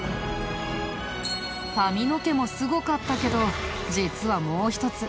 髪の毛もすごかったけど実はもう一つ